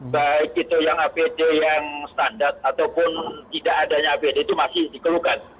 baik itu yang apd yang standar ataupun tidak adanya apd itu masih dikeluhkan